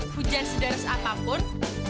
hujan sedaris apapun